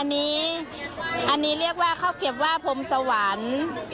อันนี้อันนี้เรียกว่าข้าวเก็บว่าพรมสวรรค์